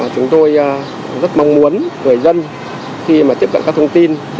chúng tôi rất mong muốn người dân khi mà tiếp cận các thông tin